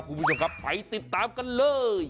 คุณผู้ชมครับไปติดตามกันเลย